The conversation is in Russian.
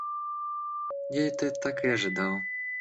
Я это так и ожидал!